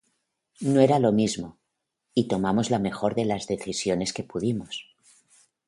No era lo mismo y tomamos la mejor de las decisiones que pudimos.